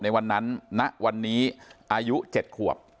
ในวันนั้นณวันนี้อายุ๗ขวบ